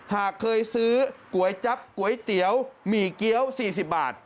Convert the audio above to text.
หากเคยซื้อก๋วยจั๊บก๋วยเตี๋ยวหมี่เกี้ยว๔๐บาท